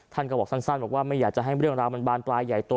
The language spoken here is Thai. ท่านก็บอกสั้นบอกว่าไม่อยากจะให้เรื่องราวมันบานปลายใหญ่โต